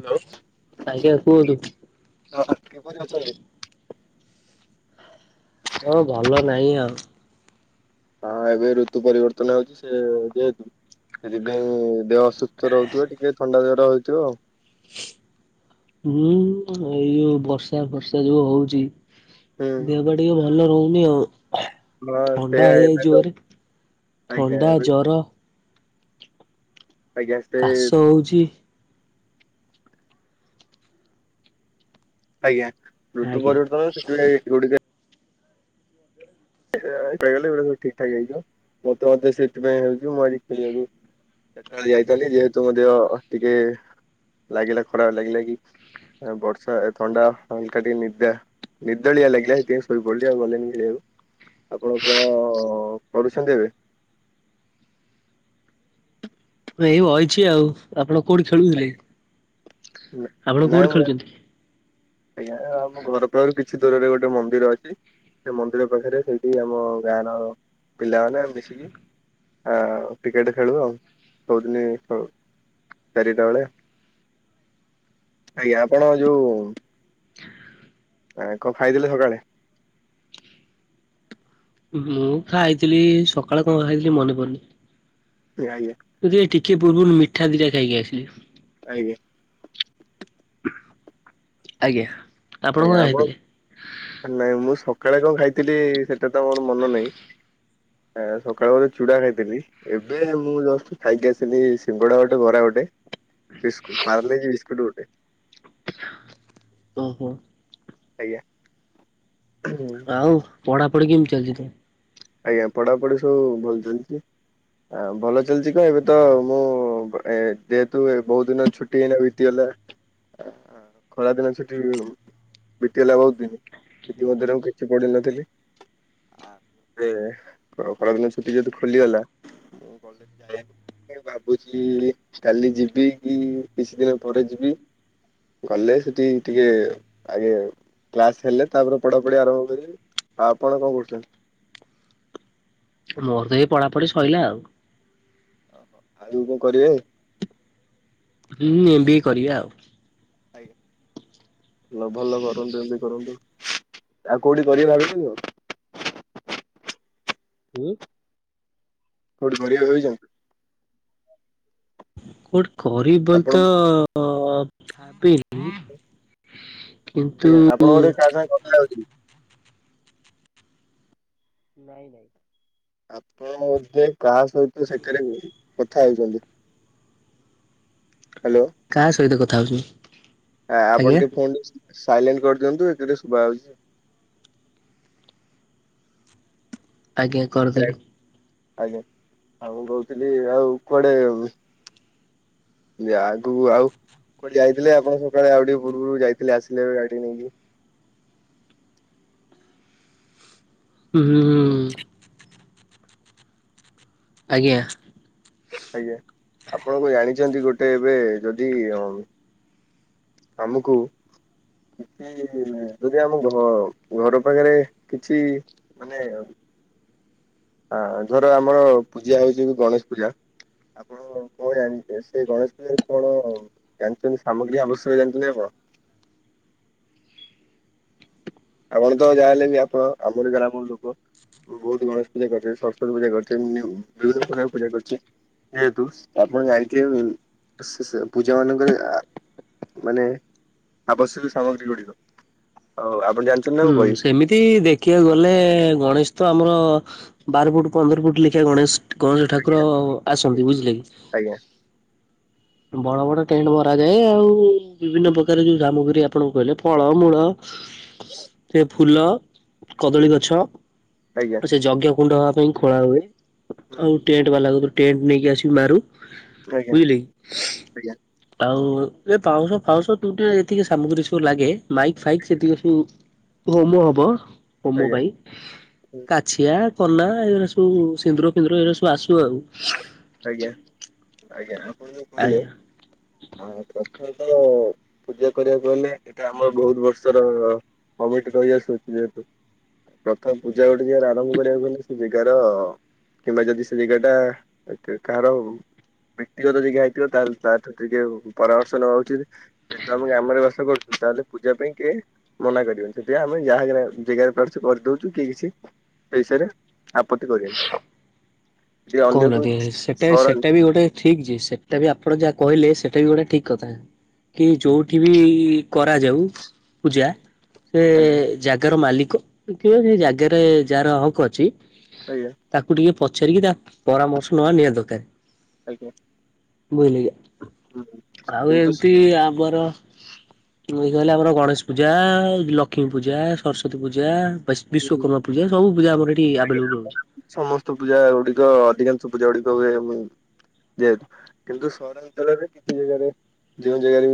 Hello ଆଜ୍ଞା କୁହନ୍ତୁ। ହଁ କିପରି ଅଛନ୍ତି? ଓ ଭଲ ନାହିଁ ଆଉ। ହଁ ଏବେ ଋତୁ ପରିବର୍ତ୍ତନ ହଉଚି ସେ ଯେହେତୁ ସେଥିପାଇଁ ଦେହଅସୁସ୍ଥ ରହୁଥିବ ଟିକେ ଥଣ୍ଡା ଜର ହେଇଥିବ ଆଉ। ହୁଁ ଏଇ ଯୋଉ ବର୍ଷା ଫର୍ଷା ଯୋଉ ହଉଚି ହୁଁ ଦେହ ଟା ଟିକେ ଭଲ ରହୁନି ଆଉ। ହଁ ଥଣ୍ଡା ସେଇଆ ଏବେ ହେଇଯାଉଚି ତ ଜୋରେ ଆଜ୍ଞା ଥଣ୍ଡା ଏବେ ଜର। ଆଜ୍ଞା ସେ କାଶ ହଉଚି। ଆଜ୍ଞା [unintelligible] [unintelligible] ସବୁ ଠିକ୍ ଠାକ ହେଇଯିବ ମତେ ସେଥିପାଇଁ ହେଇଚି ମୁଁ ଆଜି ଖେଳିବାକୁ ସେତେବେଳେ ଯାଇଥାନ୍ତି ଯେହେତୁ ମଧ୍ୟ ଟିକେ ଲାଗିଲା ଖରାପ ଲାଗିଲା କି ବର୍ଷା ଥଣ୍ଡା ହାଲକା ଟିକେ ନିଦା ନିଦଳିଆ ଲାଗିଲା ସେଥିପାଇଁସୋଇ ପଡିଲି ଆଉ ଗଲିଣିି ଖଳିବାକୁ। ଆପଣ କଣ ପଢ଼ୁଛନ୍ତି ଏବେ? ଏଇ ବଇଚି ଆଉ। ଆପଣ କଉଠି ଖେଳୁଥିଲେ ଆପଣ ନାଇଁ କୋଉଠି ମୁଁ ଖେଳୁଛନ୍ତି? ଆଜ୍ଞା ଆମ ଘର ପାଖରୁ କିଛି ଦୂରରେ ଗୋଟେ ମନ୍ଦିର ଅଛି। ସେ ମନ୍ଦିର ପାଖରେ ସେଇଠି ଆମ ଗାଁ ର ପିଲାମାନେ ମିଶିକି ଆ ଟିକେଟ ଖେଳୁ ଆଉ ସବୁଦିନ ଖେଳୁ। ଚାରିଟା ବେଳେ ଆଜ୍ଞା ଆପଣ ଯୋଉ ଆ କଣ ଖାଇଥିଲେ ସକାଳେ? ମୁଁ ଖାଇଥିଲି ସକାଳେ କଣ ଖାଇଥିଲି ମନେ ପଡୁନି? [unintelligible] ତୁ ଟିକେ ପୂର୍ବରୁ ମିଠା ଦିଟା ଖାଇକି ଆସିଲି। ଆଞା। ଆଜ୍ଞା। କଣ ଆଜ୍ଞା ଆପଣ। ଖାଇଥିଲେ? ନାଇଁ ମୁଁ ସକାଳେ କଣ ଖାଇଥିଲି ସେଟା ତ ମୋର ମନେ ନାହିଁ। ଆ ସକାଳ ବଳେ ଚୁଡା ଖାଇଥିଲି। ଏବେ ମୁଁ ଜଷ୍ଟ ଖାଇକି ଆସିଲି ସିଙ୍ଗଡା ଗୋଟେ ବରା ଗୋଟେ। ବିସ୍କୁ୍ଟ ପାର୍ଲାଜି ବିସ୍କୁଟ ଗୋଟେ। ଓହୋ। ଆଜ୍ଞା। ଆଉ ପଢାପଢି କେମିତି ଚାଲିଚ ତ? ଆଜ୍ଞା ପଢାପଢି ସବୁ ଭଲ ଚାଲିଛି। ଆ ଭଲ ଚାଲିଛି କଣ ଏବେ ତ ମୁଁ ଯେହେତୁ ବହୁତ ଦିନ ଛୁଟି ହେଇନା ବିତିଗଲା। ଖରା ଦିନ ସେଠି ବିତି ହେଲା ବହୁତ ଦିନ। ସେଥି ମଧ୍ୟରେ ଆଉ କିଛି ପଢିନଥିଲି। ଖରା ଦିନ ଛୁଟି ଯହେତୁ ଖୋଲିଗଲା ଯାଇ ଭାବୁଛି କାଲି ଯିବି କି କିଛି ଦିନ ପରେ ଯିବି। ଗଲେ ସେଠି ଟିକେ ଆଗେ କ୍ଲାସ ହେଲେ ତାପରେ ପଢାପଢି ଆରମ୍ଭ କରିବ। ଆଉ ଆପଣ କଣ କରୁଛନ୍ତି? ମୋର ତ ଏଇ ପଢାପଢି ସରିଲା ଆଉ। ଆଗକୂ କଣ କରିବେନି? ହୁଁ ଏମ ବି କରିବା ଆଉ। ଆଜ୍ଞା। [unintelligible] ହଁ। କୋଠି ବଢିଆ ରହୁଛ? କୋଉଠି କରିବ ବୋଲି ଆପଣ ତ ଭାବିନି? କିନ୍ତୁ ଆଜ୍ଞା ଆପଣ ବୋଧେ କାହା ସାଙ୍ଗେ କଥା ହଉଛନ୍ତି? ନାଇଁ ନାଇଁ। ଆପଣ ବୋଧେ କାହା ସହିତ ସେଠାରେ କଥା ହଉଛନ୍ତି। ହ୍ୟାଲୋ। କାହା ସହିତ କଥା ହଉଛନ୍ତିି? ଆପଣ ଟିକେ ଫୋନ ସାଇଲେଣ୍ଟ କରିଦିଅନ୍ତୁ ଏଥିରେ ଶୁଭା ହଉଛି। ଆଜ୍ଞା। କରିଦେଲି ଆଜ୍ଞା ଆଉ ମୁଁ କହୁଥିଲି ଆଉ କୁଆଡେ ଯାକୁ ଆଉ କୁ ଯାଇଥିଲେ ଆପଣ ସକାଳେ ଆଉ ଟିକେ ପୂର୍ବରୁ ଯାଇଥିଲେ ଆସିଲେବେ ଗାଡି ନେଇକି। ହୁଁ ହୁଁ ହ୍ୟାଲୋ ହୁଁ। ଆଜ୍ଞା। ଆଜ୍ଞା ଆପଣ କଣ ଜାଣିଛନ୍ତି ଗୋଟେ ଏବେ ଯଦି ଆମକୁ କି ଯଦି ଆମ ଘ ଘର ପାଖରେ କିଛି ମାନେ ଆଁ ଘର ଆମର ପୂଜା ହଉଛି ଗଣେଶ ପୂଜା। ଆପଣ କଣ ଜାଣି ସେ ଗଣେଶ ପୂଜାରେ କଣ ଜାଣିଛନ୍ତି ସାମଗ୍ରୀ ଆବଶ୍ୟକ ଜାଣିଛନ୍ତି ଆପଣ? ଆପଣ ତ ଯାହା ହେଲେ ବି ଆପଣ ଆମର ଗ୍ରାମର ଲୋକ। ବହୁତ ଗଣେଶ ପୂଜା କରିଛି ସରସ୍ଵତ ପୂଜା କରିୁଛନ୍ତି ବିଭିନ୍ନ ପ୍ରକାର ପୂଜା କରିଛି। ଯେହେତୁ ଆପଣ ଯାଇିଥିବେ ସେ ସେ ପୂଜା ମାନଙ୍କରେ ମାନେ ଆବଶ୍ୟକ ସାମଗ୍ରୀ ଗୁଡିକ ଆଉ ଆପଣ ଜାଣି ହୁଁ ସେମିତି ଦେଖିବାକୁ ଗଲେ ଗଣେଶ ତ ଆମର ବାର ଫୁଟ ପନ୍ଦର ଫୁଟ ଲେଖିଆ ଗଣେଶ ଗଣେଶ ଠାକୁର ଆସନ୍ତି ବୁଝିଲେ କି? ଆଜ୍ଞା। ବଡ ବଡ ଟେଣ୍ଟ ମରା ଯାଏ ଆଉ ବିଭିନ୍ନ ପ୍ରକାର ଯୋଉ ସାମଗ୍ରୀ ଆପଣଙ୍କୁ କହିଲେ ଫଳମୂଳ ସେ ଫୁଲ କଦଳୀ ଗଛ ଆଜ୍ଞା ସେ ଯଜ୍ଞ କୁଣ୍ଡ ହବା ପାଇଁ ଖୋଳା ହୁଏ। ଆଉ ଟେଣ୍ଟ ବାଲା କୁ ଟେଣ୍ଟ ନେଇକି ଆସିକି ମାରୁ। ଆଜ୍ଞା ବୁଝିଲେ କି। ଆଜ୍ଞା। ଆଉ ଏ ପାଉଁଶ ଫାଉଁଶ ତୁ ଟେ ଏତିକି ସାମଗ୍ରୀ ସବୁ ଲାଗେ ମାଇ ଫାଇକ୍ ସେତିକି ସବୁ ହୋମୋ ହବ ହୋମୋ ଆଜ୍ଞା ପାଇଁ। କାଛିଆ କନା ଏଗୁଡା ସବୁ ସିନ୍ଦୁର ଫିନ୍ଦୁର ଏରା ସବୁ ଆସିବ ଆଉ। ଆଜ୍ଞା ଆଜ୍ଞା ଆପଣ ଯୋଉ କହିଲେ ଆଜ୍ଞା ପ୍ରଥମେତ ପୂଜା କରିବାକୁ ହେଲେ ଏଟା ଆମ ବହୁତ ବର୍ଷର କମିଟି ରହିଆଶୁଅଛି ଯେହେତୁ ପ୍ରଥମ ପୂଜା ଗୋଟେ ଜାଗାରେ ଆରମ୍ଭ କରିବାକୁ ହେଲେ ସେ ଜେଗାର କିମ୍ବା ଯଦି ସେ ଜେଗା ଟା ଏକା କାର ବ୍ୟକ୍ତିଗତ ଜେଗା ହେଇଥିବ ତାଲେ ତାଠୁ ଟିକେ ପରାମର୍ଶ ନବା ଉଚିତ୍। ଯେହେତୁ ଆମେ ଗ୍ରାମରେ ବାସ କରୁଛୁ ତାହେଲେ ପୂଜା ପାଇଁ କିଏ ମନା କରିବେନି ଯଦି ଆମେ ଯାହା ଜାଗାରେ ଜେଗାରେ ପାରୁଛୁ କରିଦଉଛୁ କି କିଛି ସେ ବିଷୟରେ ଆପତ୍ତି କରିବେ ଯଦି ଅନ୍ୟ କୁ କହୁନାହାନ୍ତି ସେଟା ସେଟା ବି ଗୋଟେ ଠିକ୍ ଯେ ସେଟା ବି ଆପଣ ଯାହା କହିଲେ ସେଇଟା ବି ଗୋଟେ ଠିକ୍ କଥା। କି ଯୋଉଠି ବି କରାଯାଉ ପୂଜା। ସେ ଆଜ୍ଞା ଜାଗାର ମାଲିକ କି ସେ ଜାଗାରେ ଯାହାର ହକ୍ ଅଛି ଆଜ୍ଞା। ତାକୁ ଟିକିଏ ପଚାରିକି ତା ପରାମର୍ଶ ନବା ନିହାତି ଦରକାର। ଆଜ୍ଞା। ବୁଝିଲେ କି ହୁଁ ଆଉ ଏମିତି କିନ୍ତୁ ଆମର ଏଇ ଯୋଉ ହେଲା ଆମର ଗଣେଶ ପୂଜା ଲକ୍ଷ୍ମୀ ପୂଜା ସରସ୍ଵତୀ ପୂଜା ବିଶ୍ୱକର୍ମା ପୂଜା ସବୁ ପୂଜା ଆମର ଏଠି ଆଭେଲେବୁଲ୍ ରହୁଛି। ସମସ୍ତ ପୂଜା ଗୁଡିକ ଅଧିକାଂଶ ପୂଜା ଗୁଡିକ ହୁଏ। ଯେ କିନ୍ତୁ ସହରାଞ୍ଚଳରେ କିଛି ଜାଗାରେ ଯେଉଁ ଜାଗାରେ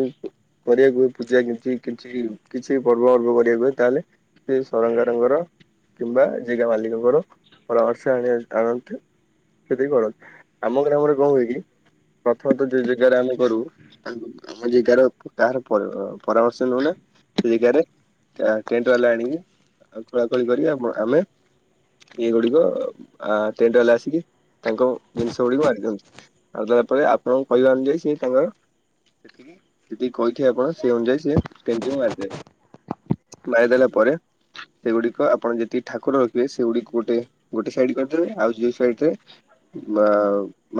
କରିବାକୁ ହୁଏ ପୂଜା କିଛି କିଛି କିଛି ପର୍ବ ପର୍ବ କରିବାକୁ ହୁଏ ତାହେଲେ ସେ ସହରାଞ୍ଚ ତାଙ୍କର କିମ୍ବା ଜେଗା ମାଲିକଙ୍କର ପରାମର୍ଶ ଆଣିବ ଆଣନ୍ତେ। ସେତିକି କଣ ଆମ ଗ୍ରାମରେ କଣ ହୁଏ କି ପ୍ରଥମତଃ ଯୋ ଯୋଉ ଜାଗାରେ ଆମେ କରୁ ତା ଆମ ଜେଗାର କାହାର ପରାମର୍ଶ ନଉନା ସେ ଜେଗାରେ ଟେଣ୍ଟ ବାଲା ଆଣିକି ଖୋଳାଖୋଳି କରି ଆ ଆମେ ଏଇ ଗୁଡିକ ଟେଣ୍ଟ ବାଲା ଆସିକି ତାଙ୍କ ଜିନିଷ ଗୁଡକୁ ମାରି ଦିଅନ୍ତି। ଆଉ ତାପରେ ଆପଣଙ୍କୁ କହିବା ଅନୁଯାୟୀ ସିଏ ତାଙ୍କର ସେତିକି ଯେତିକି କହିଥିବେ ଆପଣ ସେଇ ଅନୁଯାୟୀ ସିଏ [unintelligible] [unintelligible] ଦେଲା ପରେ ସେଗୁଡି଼କ ଆପଣ ଯେତିକି ଠାକୁର ରଖିବେ ସେଗୁଡ଼ିକୁ ଗୋଟେ ଗୋଟେ ସାଇଡି଼ କରିଦେବେ ଆଉ ଯୋଉ ସାଇଡି଼ ରେ ବା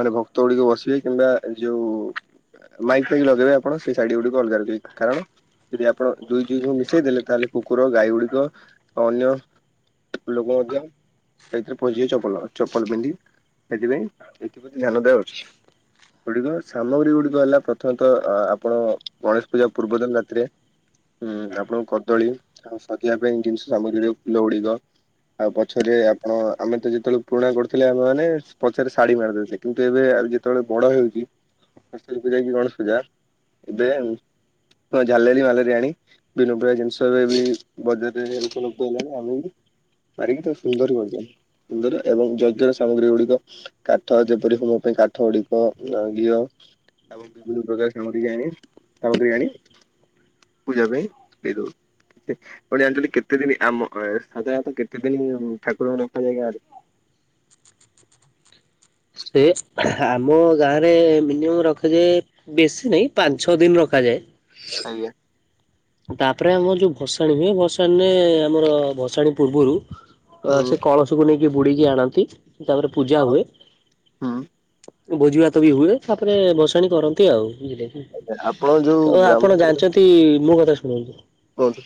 ମାନେ ଭକ୍ତ ଗୁଡ଼ିକ ବସିବେ କିମ୍ବା ଯୋଉ ମାଇକି ଫାଇକି ଲଗେଇବେ ଆପଣ ସେ ସାଇଡି଼ ଗୁଡ଼ିକୁ ଅଲଗା ଅଛି କାରଣ ଯଦି ଆପଣ ଦୁଇ ଦୁହିଁ ଙ୍କୁ ମିଶେଇ ଦେଲେ ତାହେଲେ କୁକୁର ଗାଈ ଗୁଡ଼ିକ ଅନ୍ୟ ଲୋକମଧ୍ୟ ଏଥିରେ ପଶିଯିବେ ଚପଲ ଚପଲ ପିନ୍ଧି ସେଥିପାଇଁ ଏଥିପ୍ରତି ଧ୍ୟାନ ଦେବା ଉଚିତ୍। ଗୁଡ଼ିକ ସାମଗ୍ରୀ ଗୁଡ଼ିକ ହେଲା ପ୍ରଥମତଃ ଆପଣ ଗଣେଶ ପୂଜା ପୂର୍ବ ଦିନ ରାତିରେ ଉଁ ଆପଣଙ୍କ କଦଳୀ ଆଉ ସଜେଇବା ପାଇଁ ଜିନି ସାମଗ୍ରୀ ଓ ଫୁଲ ଗୁଡ଼ିକ ଆଉ ପଛରେ ଆପଣ ଆମେ ତ ଯେତେବେଳେ ପୁରୁଣା କରୁଥିଲେ ଆମେ ମାନେ ପଛରେ ଶାଢ଼ୀ ମାରିଦେଉଥିଲେ। କିନ୍ତୁ ଏବେ ଆଉ ଯେତେବେଳେ ବଡ଼ ହେଉଛି ସେ [unintelligible] ଯାଇକି ଗଣେଶ ପୂଜା ଏବେ ହଁ ଝାଲେରି ମାଲେରି ଆଣି ବିଭିନ୍ନ ପ୍ରକାର ଜିନିଷ ଏବେ ବି ବଜାର ରେ ଉପଲବ୍ଧ ହେଲାଣି ଆମେ ବି ମାରିକି ତାକୁ ସୁନ୍ଦର [unintelligible] ସୁନ୍ଦର ଏବଂ ଯଜ୍ଞର ସାମଗ୍ରୀ ଗୁଡ଼ିକ କାଠ ଯେପରି ମୋ ପାଇଁ କାଠ ଗୁଡ଼ିକ ଘିଅ [unintelligible] ସାମଗ୍ରୀ ବିଭିନ୍ନ ପ୍ରକାର ସାମଗ୍ରୀ ଆଣି ସାମଗ୍ରୀ ଆଣି ପୂଜା ପାଇଁ ଦେଇଦଉ [unintelligible] କେ କେତେ ଦିନି ଆମ ସାଧାରଣତଃ କେତେ ଦିନି ଠାକୁର ରଖାଯାଏ ଗାଁ ରେ? ସେ ଆମ ଗାଁରେ ମିନିଅମ୍ ରଖାଯାଏ ବେଶୀ ନାହିଁ ପାଞ୍ଚ ଛଅ ଦିନ୍ ରଖାଯାଏ। ଆଜ୍ଞା। ତାପରେ ଆମର ଯୋଉ ଭସାଣୀ ହୁଏ ଭସାଣୀରେ ଆମର ଭସାଣୀ ପୂର୍ବରୁ ଅ ସେ ହୁଁ କଳସକୁ ନେଇକି ବୁଡି଼କି ଆଣନ୍ତି ତାପରେ ପୂଜା ହୁଏ। ଭୋଜି ଭାତ ବି ହୁଏ ତାପରେ ଭସାଣି କରନ୍ତି ଆଉ ଆପଣ ଯୋଉ ଆଉ ଗ୍ରାମ ଆପଣ ଜାଣିଚ ନ୍ତି ମୋ କଥା ଶୁଣନ୍ତୁ। କୁହନ୍ତୁ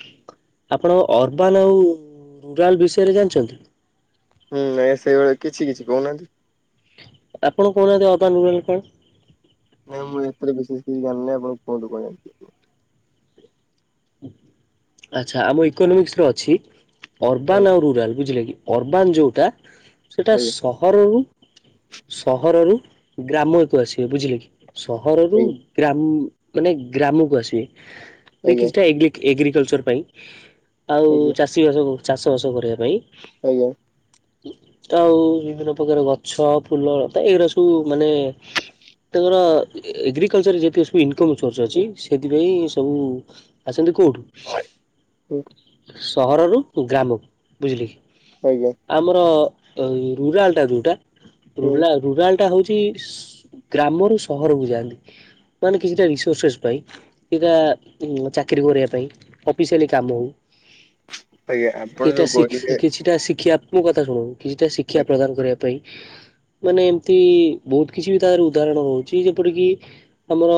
ଆପଣ ଅରବାନ୍ ଆଉ ରୁରାଲ ବିଷୟରେ ଜାଣିଚନ୍ତି? ହୁଁ ନାଇଁ ସେଇଭଳିଆ କିଛି କିଛି କହୁନାହାନ୍ତି। ଆପଣ କହୁନାହାନ୍ତି ଅରବାନ୍ ରୁରାଲ କଣ? ନାଇଁ ମୁଁ ଏତରେ ବିଶେଷ କିଛି ଜାଣିନି ଆପଣ କୁହନ୍ତୁ କଣ ଜା ଆଚ୍ଛା ଆମ ଇକୋନୋମିକ୍ସ୍ ରେ ଅଛି ଅରବାନ୍ ଜାଣିଛନ୍ତି? ଆଉ ରୁରାଲ ବୁଝିଲେ କି। ଅରବାନ୍ ଯୋଉଟା ସେଇଟା ଆଜ୍ଞା ସହରରୁ ସହରରୁ ଗ୍ରାମକୁ ଆସିବେ ବୁଝିଲେ କି। ସହରରୁ ଆଜ୍ଞା ଗ୍ରା ମାନେ ଗ୍ରାମକୁ ଆସିବେ ଆଜ୍ଞା ଦେଖିଛି ଏଗ୍ରି ଏଗ୍ରିକଲଚର୍ ପାଇଁ ଆଉ ଆଜ୍ଞା ଚାଷୀ ବାସ ଚାଷ ବାସ କରିବା ପାଇଁ। ଆଜ୍ଞା। ତ ଆଉ ବିଭିନ୍ନ ପ୍ରକାର ଗଛ ଫୁଲ ତା ଏଇଗୁଡା଼ ସବୁ ମାନେ ତାଙ୍କର ଏଗ୍ରିକଲଚର୍ ଯେତିକି ସବୁ ଇନକମ୍ ସୋର୍ସ ଅଛି ସେଥିପାଇଁ ସବୁ ଆସନ୍ତି କୋଉଠୁ? ହୁଁ। ସହର ରୁ ଗ୍ରାମ କୁ ବୁଝିଲେ କି। ଆଜ୍ଞା। ଆମର ରୁରାଲ ଟା ଯୋଉଟା ହୁଁ [unintelligible] ରୁରାଲ ଟା ହଉଛି ଗ୍ରାମରୁ ସହରକୁୁ ଯାଆନ୍ତି। ମାନେ କିଛିଟା [unintelligible] ପାଇଁ ଏଇଟା ଚା ଚାକିରି କରିବା ପାଇଁ ଅଫିସିଆଲି କାମ ଆଜ୍ଞା ଆପଣ ହଉ ଏଟା ଯୋଉ କହିଲେ କିଛି [unintelligible] ଶିଖିବାକୁ ମୋ କଥା ଶୁଣୁ କିଛିଟା ଶିକ୍ଷା ପ୍ରଦାନ କରିବା ପାଇଁ ମାନେ ଏମିତି ବହୁତ୍ କିଛି ବି ତାର ଉଦାହରଣ ରହୁଛି ଯେପରିକି ଆମର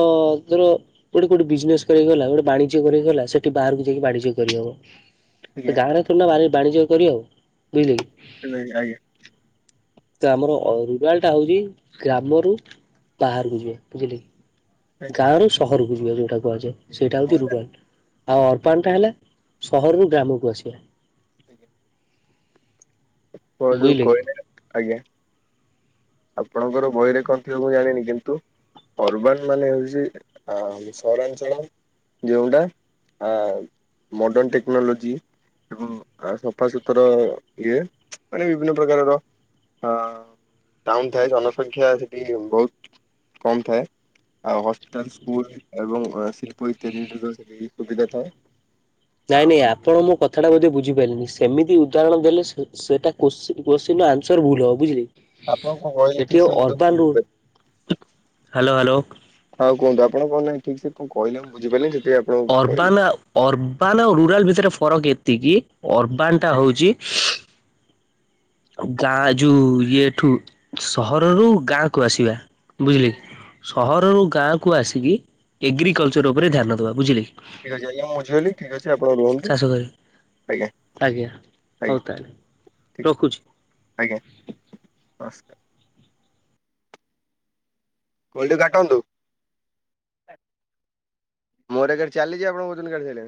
ଧର ଏଇଠି ଗୋଟେ ବିଜନେସ କର ଗଲା ଗୋଟେ ବାଣି ଜ୍ୟ କରି ଗଲା ସେଠି ବାହାରକୁ ଯାଇକି ବାଣିଜ୍ୟ କରିହବ ଆଜ୍ଞା ତ ଗାଁରେ ନା ବା ବାଣିଜ୍ୟ କରି ହବ ବୁଝିଲି। [unintelligible] ତ ଆମର ଅ ରୁରାଲ ଟା ହଉଛି ଗ୍ରାମରୁ ବାହାରକୁ ଯିବା ବୁଝିଲେ କି ଗାଁ ର ସହରକୁ ଯିବା ଯୋଉଟା କୁହାଯାଏ ସେଇଟା ହଉଛି ରୁରାଲ। ଆଉ ଅର୍ବାନ ଟା ହେଲା ସହରରୁ ଗ୍ରାମକୁ ଆସିବା। ଆଜ୍ଞା। ବୁଝିଲେ [unintelligible] କି। କହିଲେ ଆଜ୍ଞା। ଆପଣଙ୍କର ବହିରେ କଣ ଥିଲେ ମୁଁ ଜାଣିନି କିନ୍ତୁ ଅରବାନ ମାନେ ହଉଛି ଆ ସହରାଞ୍ଚଳ? ଯେଉଁଟା ଆ ମଡ଼ର୍ଣ ଟେକ୍ନୋଲୋଜି। ଏବଂ ଆ ସଫାସତୁର ଇଏ। ମାନେ ବିଭିନ୍ନ ପ୍ରକାରର ଆ ଟାଉନ ଥାଏ ଜନସଂଖ୍ୟା ସେଠି ବହୁତ କମ ଥାଏ। ଆଉ ହସ୍ପିଟାଲ ସ୍କୁଲ ଏବଂ ଆ ଶିଳ୍ପ ଇତ୍ୟାଦିର ସେଠି ସୁବିଧା ଥାଏ। ନାଇଁ ଆଉ ନାଇଁ ଆପଣ ମୋ କ ଥାଟା ବୋଧେ ବୁଝିପାଇଲେନି ସେମିତି ଉଦାହରଣ ଦେଲେ ସେ ସେଟା [unintelligible] ଭୁଲ ହବ ବୁଝିଲି ଆପଣ କଣ କହିଲେ ଠିକ ଏଠି ସେ ଆଉ ମତେ ଅରବନ ହ୍ୟାଲୋ ହ୍ୟାଲୋ ହଁ କୁହନ୍ତୁ ଆପଣ କହ ନାହି ଠିକ ସେ କଣ କହିଲ ମୁଁ ବୁଝିପାଇଲିନି [unintelligible] ଅର୍ବାନ ଆ ଅରବାନ ଆଉ ରୁରାଲ ଭିତରେ ଫରକ ଏତିକି ଅରବାନ ଟା ହଉଚି ଗାଁ ଯୋଉ ଇଏଠୁ ସହରରୁ ଗାଁକୁୁ ଆସିବା ବୁଝିଲେ କି? ସହରରୁ ଗାଁକୁୁ ଆସିକି ଏଗ୍ରିକଲଚର ଉପରେ ଧ୍ୟାନ ଦବା ବୁଝିଲେ କି। ଠିକ ଅଛି ଆଜ୍ଞା ମୁ ବୁଝିପାଇଲି ଠିକ ଅଛି ଆପଣ ରହନ୍ତୁ। ଚାଷ କରି ଆଜ୍ଞା ହଉ ଆଜ୍ଞା ତାହଲେ ଠିକ ଅଛି ରଖୁଛି। ଆଜ୍ଞା ନମସ୍କାର। କଲ୍ ଟା କାଟନ୍ତୁ। ମୋର ଏକା ଚାଲିଛି ଆପଣ କହୁଛନ୍ତି କାଟି ସାଇଲେଣି।